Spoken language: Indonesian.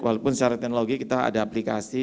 walaupun secara teknologi kita ada aplikasi